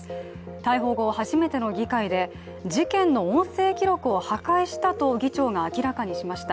逮捕後、初めての議会で事件の音声記録を破壊したと議長が明らかにしました。